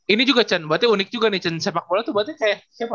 ini juga cen berarti unik juga nih cen sepak bola tuh berarti kayak siapa